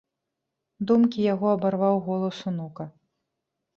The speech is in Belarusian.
Думкі яго абарваў голас унука.